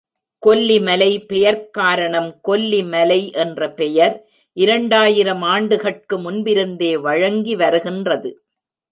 கொல்லி மலை பெயர்க் காரணம் கொல்லி மலை என்ற பெயர் இரண்டாயிரம் ஆண்டுகட்கு முன்பிருந்தே வழங்கி வருகின்றது.